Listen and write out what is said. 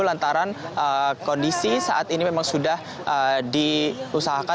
lantaran kondisi saat ini memang sudah diusahakan